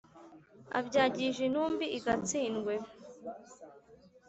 Abyagije intumbi i Gatsindwe,